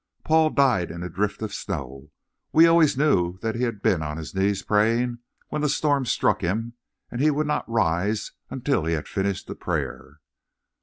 "Paul died in a drift of snow. We always knew that he had been on his knees praying when the storms struck him and he would not rise until he had finished the prayer.